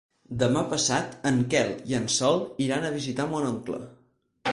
Demà passat en Quel i en Sol iran a visitar mon oncle.